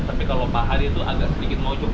tapi kalau paha itu agak sedikit maucuk